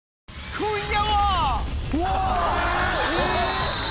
今夜は。